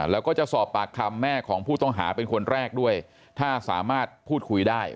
แล้วก็จะสอบปากคำแม่ของผู้ต้องหาเป็นคนแรกด้วยถ้าสามารถพูดคุยได้